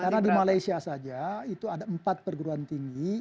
karena di malaysia saja itu ada empat perguruan tinggi